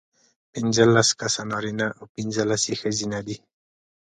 پینځلس کسه نارینه او پینځلس یې ښځینه دي.